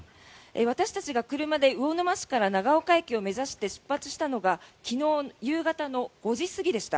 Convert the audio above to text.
私たちが車で魚沼市から長岡駅を目指して出発したのが昨日夕方の５時過ぎでした。